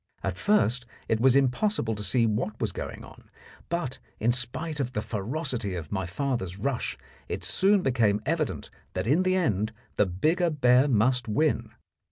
At first it was impossible to see what was going on, but, in spite of the ferocity of my father's rush, it soon became evident that in the end the bigger bear must win.